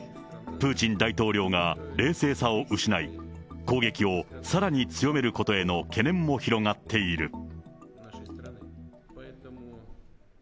プーチン大統領が冷静さを失い、攻撃をさらに強めることへの懸念も広がっている。